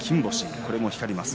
これも光りました。